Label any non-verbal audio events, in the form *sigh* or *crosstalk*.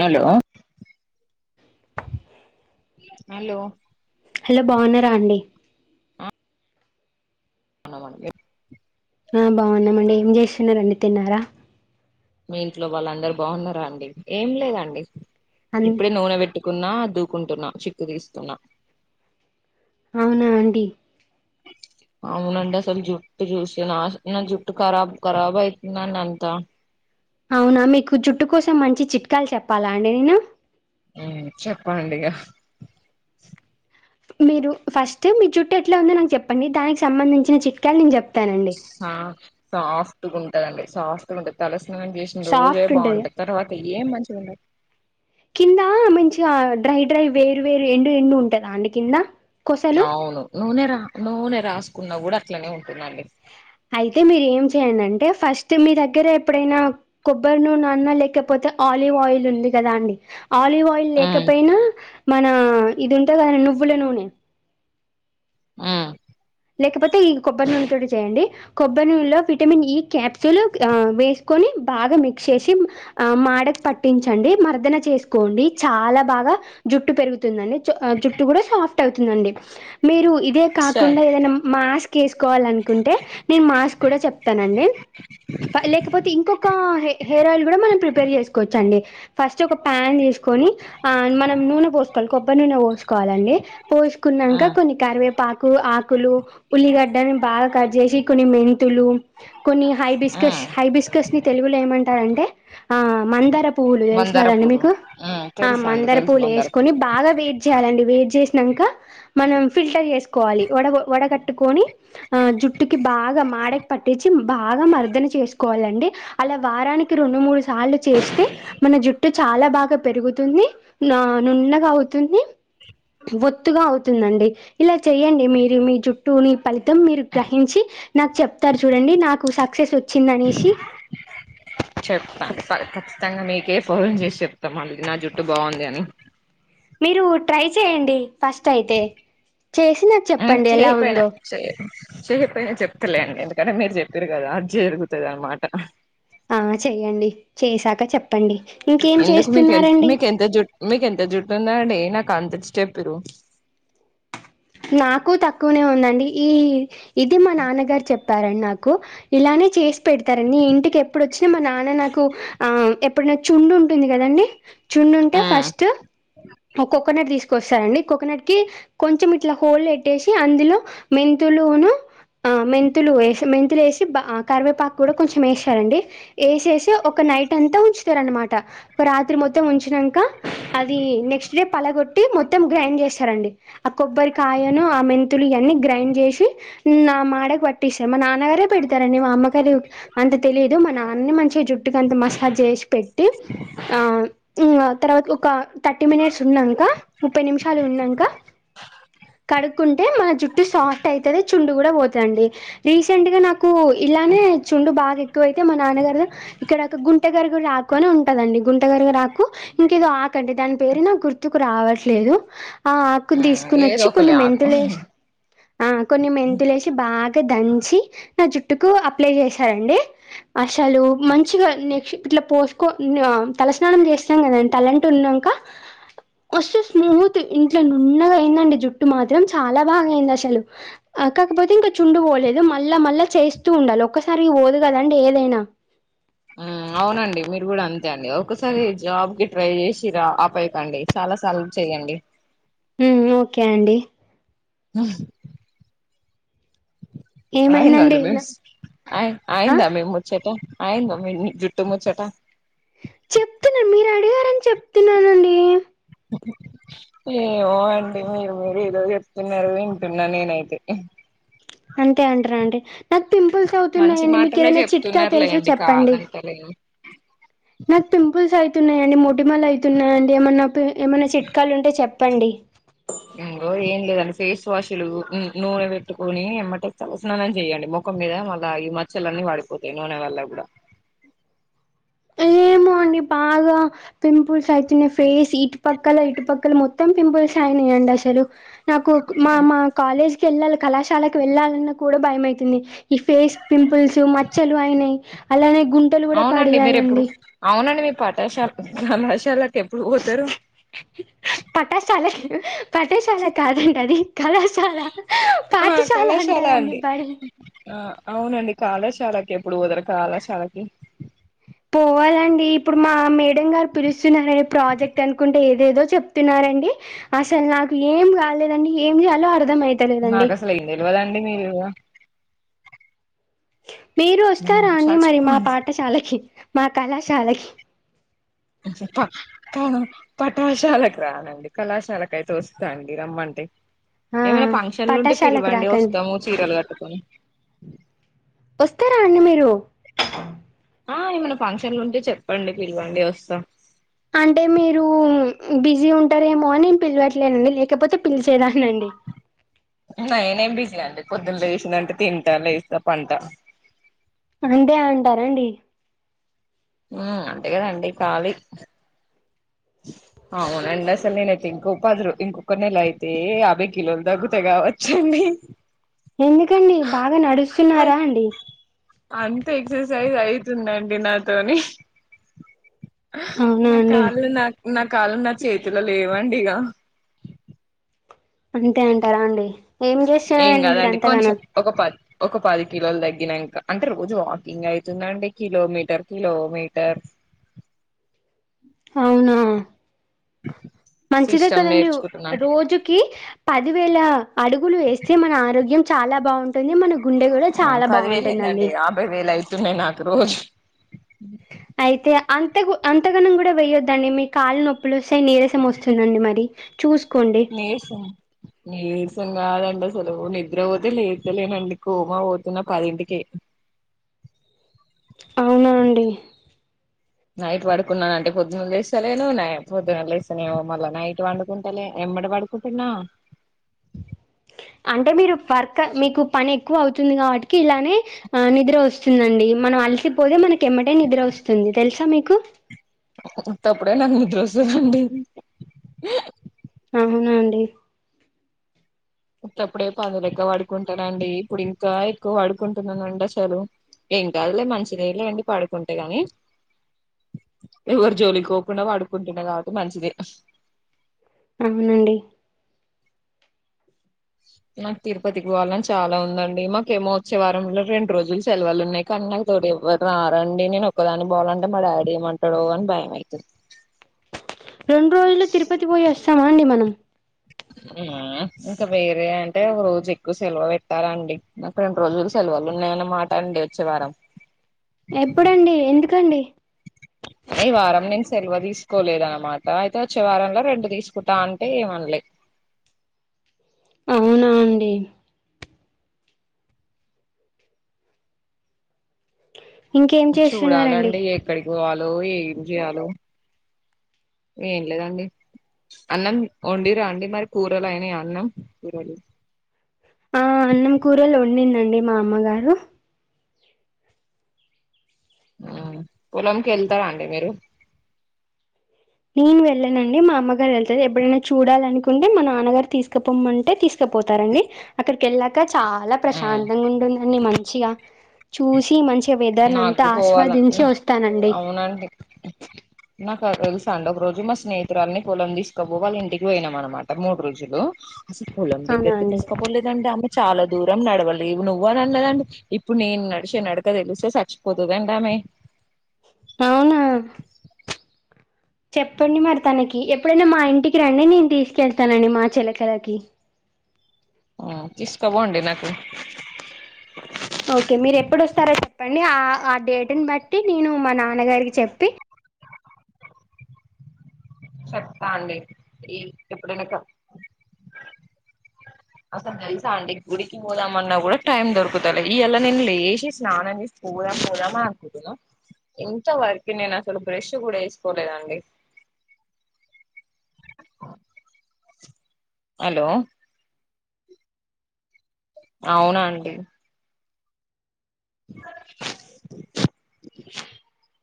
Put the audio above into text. Hello hello hello బాగున్నరా అండి *unintelligible* ఆ బాగున్నమండి ఏం చేస్తున్నరండి తిన్నారా మీ ఇంట్లో వాళ్ళు అందరు బాగున్నారా అండి ఏం లేదండి అన్ ఇప్పుడే నూనె పెట్టుకున్నా దువ్వుకుంటున్నా చిక్కు తీస్తున్నా అవునా అండి అవునండి అసలు జుట్టు చూసి నాశ్ నా జుట్టు ఖరాబ్ ఖరాబ్ అవుతుందండి అంతా అవునా మీకు జుట్టు కోసం మంచి చిట్కాలు చెప్పాలా అండి నేను ఉమ్ చెప్పండిగా మీరు ఫస్ట్ మీ జుట్టు ఎట్లా ఉందో నాకు చెప్పండి దానికి సంబంధించిన చిట్కాలు నేను చెప్ ఆ సాఫ్ట్గా ఉంటదండి సాఫ్ట్గా ఉంటంది తల తలస్నానం చేసిన రోజే సాఫ్ట్ ఉంటది బాగుంటది తర్వాత ఏం మంచిగా ఉండదు. కింద మంచిగా డ్రై డ్రై వేరు వేరు ఎండు ఎండు ఉంటుందా అండి కింద. కొసలు అవును నూనె రా నూనె రాసుకున్నా కూడా అట్లనే ఉంటుందండి. అయితే మీరు ఏం చేయండంటే ఫస్ట్ మీ దగ్గర ఎప్పుడైనా కొబ్బరి నూన అన్న లేకపో తే ఆలివ్ ఆయిల్ ఉంది కదా అండి. ఆలివ్ ఆయిల్ ఉమ్ లేకపోయినా మన ఇది ఉంటది కదండి నువ్వుల నూనె ఉమ్ లేకపోతే ఈ కొబ్బరి నూనె తోటి చేయండి కొబ్బరి నూనెలో విటమిన్ ఈ క్యాప్సూల్ ఆ వేసు కొని బాగా మిక్స్ చేసి ఆ మాడకు పట్టించండి మర్దన చేసుకోండి చాలా బాగా జుట్టు పెరుగుతుందండి జు అ జుట్టు కూడా సాఫ్ట్ అవుతుందండి మీరు ఇదే సరే కాకుండా ఏదైనా మాస్క్ ఏసుకోవాలనుకుంటే నేను మాస్క్ కూడా చెప్తానండి. లేకపోతే ఇంకొక హే హెయిర్ ఆయిల్ కూడా మనం ప్రిపేర్ చేసుకోవచ్చండి. ఫస్ట్ ఒక ప్యాన్ తీసుకొని ఆ మనం నూనె పోసుకోవాలి కొబ్బ నూనె పోస్ కోవాలండి పోసుకునంక ఉమ్ కొన్ని కరివేపాకు ఆకులు ఉల్లిగడ్డని బాగా కట్ చేసి కొన్ని మెంతులు కొన్ని హైబిస్కస్ ఉమ్ హైబిస్కస్ ని తెలుగులో ఏమంటారంటే ఆ మందర పూలు తెలుసు మందార కదండి పూలు మీకు మ్మ్ ఆ తెలుసు అండి మందార తెలుసు పూలు మందార ఏసుకొని బాగా వేడి చేయాలండి వేడి చేసినంక మనం ఫిల్టర్ చేసుకోవాలి వడ వడగట్టుకొని ఆ జుట్టుకి బాగా మాడకి పట్టించి బాగా మర్దన చేసుకోవాలండి. అలా వారానికి రెండు మూడు సార్లు చేస్తే మన జుట్టు చాలా బాగా పెరుగుతుంది. ఆ నున్నగా అవుతుంది ఒత్తుగా అవుతుందండి ఇలా చేయండి మీరు జుట్టు నీ ఫలితం మీరు గ్రహించి నాకు చెప్తారు చూడండి నాకు సక్సెస్ వచ్చింది అనేసి చెప్తా ప ఖచ్చితంగా మీకే ఫోన్ చేసి చెప్తానండి నా జుట్టు బాగుంది అని మీరు ట్రై చేయండి ఫస్ట్ అయితే చేసి నాకు చెప్పండి ఎలా ఉందో చేయకపోయినా చెప్తలే అండి ఎందుకంటే మీరు చెప్పిర్రు కదా అది జరుగుతది అనమాట ఆ చేయండి చేసాక చెప్పండి. ఇంకేం ఎందుకు మీకు చేస్తున్నారండి మీకెంత జుట్టు మీకెంత జుట్టు ఉందండీ. నాకు అంత ఇచ్చెత్తురు నాకు తక్కువనే ఉందండి ఈ ఇది మా నాన్నగారు చెప్పారండి నాకు ఇలా మా నాన్న చేసి పెడతారండి ఇంటికి ఎప్పుడు వచ్చినా మా నాన్న నాకు ఆ ఎప్పుడన్న చుండు ఉంటుంది కాదండి చుండు ఉంటే మ్మ్ ఫస్ట్ ఒక కోకోనెట్ తీసు స్తాయండి కోకోనెట్ కి కొంచెం ఇట్లా హోల్ పెట్టేసి అందులో మెంతులును ఆ మెంతులు ఏసీ మెంతులు వేసి కరివేపాకు కూడా కొంచెం వేస్తారండి వేసేసి ఒక నైట్ అంతా ఉంచుతారు అనమాట ఒక రాత్రి మొత్తం ఉంచు నాంక అది నెక్స్ట్ డే పలగొట్టి మొత్తం గ్రైండ్ చేస్తారండి అప్ కొబ్బరి కాయను ఆ మెంతులు ఇవన్నీ గ్రైండ్ చేసి ఇంగా మాడకు పట్టిస్తు మా నాన్నగారే పెడతారండి మా అమ్మగారు అంత తెలియదు మా నాన్ననే మంచిగా జుట్టుకు అంత మసాజ్ చేసి పె పెట్టీ ఆమ్ ఇంగా తర్వాత ఒక థర్టీ మినిట్స్ వున్నాంక ముప్పై నిమిషాలు వున్నంకా కడుక్కుంటే మన జుట్టు సాఫ్ట్ అయితాది చుండ్రు కూడా పోతాదండి రీసెంట్ గా నాకు నాకు ఇలానే చుండు బాగా ఎక్కువైతే మా నాన్నగారు ఇక్కడ ఒక గుంటె గరిగుడ ఆకు అని ఉంటాదండి గుంటగారుగుడ ఆకు ఇంకేదో ఆకు అండీ దాని పేరు నాకు గుర్తుకు రావట్లేదు ఆ కోని ఏదో వచ్చి ఒక కొన్ని ఆకు మెంతులు ఆ కొన్ని మెంతులు వేసి బాగా దంచి నా జుట్టుకు అప్లై చేశారండి అసలు మంచిగా నేసు ఇట్లా పోసుకో ఇంగా తలస్నానం చేస్తాం కదా తలంటు ఉన్నాంక ఓసేస్ నీ మూతి ఇంట్లో నున్నగా జుట్టు మాత్రం చాలా బాగా అయింది అసలు కాకపోతే ఇంకా చుండ్రు పోలేదు మళ్ళా మళ్ళా చేస్తూ ఉండాలి ఒక్కసారిగా పోదు కదండి ఏదైనా మ్మ్ అవునండి మీరు కూడా ఓకే అండి ఒకసారి జాబ్ కి ట్రై చేసిర్రా ఆపేయకాండి చాలా సార్లు చెయ్యండి మ్మ్ ఓకే అండి ఆహ్ *unintelligible* ఏమైందండి అయి ఆ అయ్యిందా మీ ముచ్చట అయిందా మీ మీ జుట్టు ముచ్చట చెప్తున్నా మీరు అడిగారని చెప్తున్నానండి. ఏమో అండి మీరు మీరు ఏదో చెప్తున్నారు వింటున్నా నీను అయితే అంతే అంటారు అండి. నాకు పింపుల్స్ మంచి అవుతున్నాయండి మీకు మాటలే ఏదైనా చిట్కా తెలుసా చెప్తున్నారులేండి చెప్పండి. కాదంటలేను నాకు పింపుల్స్ అయి తున్నాయండి మొటిమలు అవుతున్నాయాండి ఏమన్నా ఏమన్నా చిట్కాలు ఉంటే చెప్పండి. ఇంగొ ఏం లేదండి ఫేస్ వాషులు నూనె పెట్టుకొని ఎమ్మటే తల స్నానం చెయ్యండి మొఖ మొఖం మీద మళ్ళా ఈ మచ్చలన్నీ వాడిపోతాయి నూనె వల్ల కూడా ఏమో అండి బాగా పింపుల్స్ అవుతున్నాయి ఫేస్ ఇటు పక్కల ఇటుపక్కల మొత్తం పింపుల్స్ ఏ అండి ఏంది అసలు నాకు మా మా కాలేజ్ వెళ్ళాలి కళాశాలకు వెళ్ళాలన్న కూడా భయమైతుంది ఈ ఫేస్ పింపుల్స్ మచ్చలు అయినాయి అలానే గుంతలు కూడా అవునండి పడినాయి మీరు ఎప్పుడు అవునండి మీ పాఠశాల కళాశాల ఎప్పుడు పోతారు పాఠశాల కాదండి అది కళాశాల ఆ పాఠశాల కళాశాల అంటారండి అండి బడి ఆ అవునండి కళాశాలకి ఎప్పుడు పోతారు కళాశాలకి పోవాలండి ఇప్పుడు మా మేడం గారు పిలుస్తున్నార ప్రాజెక్ట్ అనుకుంటే ఏదో చెప్తున్నారండి అసలు నాకు ఏం కాలేదండి ఏం చేయాలో అర్థ నాకు అసలు ఏంది తెలివదండి మీరు మీరు వస్తారా అండి మరి మా చచ్చిపోండి పాఠశాలకి మా కళాశాలకి ప్ప ప్ప పఠాశాలకు రానండి కళాశాలకు అయితే వస్తా అండి రమ్మంటే ఆ ఏమన్న ఫంక్షన్లు ఉంటే పాఠశాలకు పిలవండి రాకండి వస్తాము చీరలు కట్టుకొని వస్తారా అండి మీరు ఆ ఏమన్న ఫంక్షన్లు ఉంటే చెప్పండి పిలవండి వస్తాం అంటే మీరు బిజీ ఉంటారేమోని పిలవట్లేనండి లేకపోతే పిలిచేదాని నేనేం బిజి అండి పొద్దున లేసింన్నంటే తింటా లేస్తా పంట అంతే అంటారంండి ఆ అంతే కదండి కాళీ అవునండి అసలు నేనే అయితే ఎక్కు పాదురు ఇంకొక నెల అయితే యాభై కిలోలు తగ్గుత కావచ్చండి ఎందుకండి బాగా అ నడుస్తున్నారా అండి అంత ఎక్ససైజ్ అయి తుందండి నాతోని అవునా నా అండి కాళ్ళు లాగ్ కాల్లు నా చేతిలో లేవండి ఇక అంతే అంటారా అండి ఏం ఏం చేస్తరండి మీర కాదండి కొంచెం అంతగానం ఒక పది ఒక పది కిలోలు తగ్గినంక అంటే రోజు వాకింగ్ అయితుందండి కిలోమీటర్ కిలోమీటర్ *inaudible* అవునా *inaudible* మంచిదే సిస్టమ్ కదండి నేర్చుకుంటున్నాను రోజుకి పదివేల అడుగులు వేస్తే మన ఆరోగ్యం చాలా బాగుంటుంది మనకు పదివేలు ఏందండి యాభై వేలు అవుతున్నాయి నాకు రోజు అయితే అంత అంతగనం కూడా వయ్యొద్దండి మీ కాళ్నొప్పులు వస్తయి నీరసం వస్తుందండి మరి చూసుకోండి నీరసం నీరసం కాదండి అసలు నిద్ర పోతే లేత్త లేనండి కోమ పోతున్న పదింటికే *inaudible* అవునా అండి నైట్ పడుకున్నాను అంటే పొద్దున్న లేస్తలేను న్నై పొద్దున లేస్తేనే మళ్ళీ నైట్ వడుకుంటలేను ఎమ్మటే పడుకుంటున్న అంటే మీరు వర్క్ మీకు పని ఎక్కువ అవుతుంది కాబట్టి ఇలానే నిద్ర వస్తుందండి మనం అలిసిపోతే మనకి ఎమ్మటె నిద్ర వస్తుంది తెలుసా మీకు ఉత్తప్పుడే నాకు నిద్ర వస్తదండి అవునా అండి ఉత్తప్పుడే పందిలెక్క పడుకుంటానండి ఇప్పుడు ఇంకా ఎక్కువ పడుకుంటున్నానండి అసలు ఏం కాదులే మంచిదేలేండి పడుకుంటే గాని ఎవరు జోలికి పోకుండా పడుకుంటున్నా కాబట్టి మంచిదె అవునండి *unintelligible* నాకు తిరుపతికి పోవాలని చాలా ఉందండి మాకేమో వచ్చే వారంలో రెండు రోజులు సెలవులు ఉన్నాయి కని నాకు తోడ ఎవ్వరారండి నేను ఒక్కదాని పోవాలంటే మా డాడీ ఏమంటాడో అని భయం ఐతుంది రెండు రోజుల్లో తిరుపతి పోయి వస్తామా అండి మనం మ్ ఇంక వేరే అంటే ఒక రోజు ఎక్కువ సెలవ పెట్టాలండి నాకు రెండు రోజులు సెలవ నేను మాటండి వచ్చే వారం ఎప్పుడండి ఎందుకండి ఈ వారం నేను సెలవ తీసుకోలేదనమాట అయితే వచ్చే వారంలో రెండు తీసుకుంటా అంటే ఏమనలే *unintelligible* అవునా అండీ ఇంకేం చేస్తున్నారండి చూడాలండి ఎక్కడికి పోవాలో ఏం జేయాలో ఏం లేదండి అన్నం వొండీర్రా ఆండి మరి కూరలు అయినియా అన్నం కూరలు ఆ అన్నం కూరలు వొండిందండి మా అమ్మగారు మ్ పొలంకి వెళ్తారా అండి మీరు నేను వెళ్ళనండి మా అమ్మగారు వెళ్తది ఎప్పుడైనా చూడాలనుకుంటే మా నాన్నగారు తీసుకపోమ్మంటే తీసుక పోతారండి అక్కడికి వెళ్ళాక చాలా ఉమ్ ప్రశాంతంగా ఉంటుందండి మంచిగా చూసి మంచి వెదర్నంతా నాకు పోవాల ఆస్వాదించి వస్తానండి అవునండి నాకు ఆ తెలుసాండి ఒక రోజు మా స్నేహితురాల్ని పోలం తీసుకోబో వాళ్ళ ఇంటికి పోయినాం అనమాట మూడు రోజులు అసల్ పోలం అవునా దగ్గకి అండి తీసుకపోలేదండీ ఆమె చాలా దూరం నడవలేవు నువ్వు అని అన్నదండి ఇప్పుడు నేను నడిచే నడక తెలిస్తే చచ్చిపోతదండి ఆమె ఏ అవునా చెప్పండి మరి తనకి ఎప్పుడైనా మా ఇంటికి రండి నేను తీసుకెళ్తానని మా చిలకలకి మ్ తీసుకబోండి నాకు ఓకే మీరు ఎప్పుడు వస్తారో చెప్పండి ఆ ఆ డేట్ ని బట్టి నేను మా నాన్నగారికి చెప్పి చెప్తా అండి ఈ ఇప్పుడైన చెప్ అసల్ తెల్సా అండి గుడికి పోదాం అన్నా కూడా టైమ్ దొరుకుతాలే ఇయల నేను లేచి స్నానం చేసి పొ పోదాం పోదామా అనుకుంటున్నా ఇంత వరికి నేను అసలు బ్రష్ కూడా చేసుకోలేదండి హలో అవునాఅండి *inaudible*